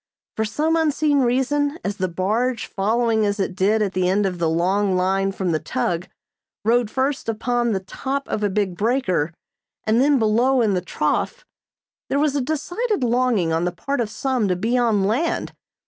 For some unseen reason, as the barge, following as it did at the end of the long line from the tug, rode first upon the top of a big breaker and then below in the trough, there was a decided longing on the part of some to be on land.